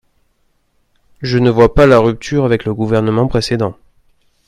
Je ne vois pas la rupture avec le gouvernement précédent.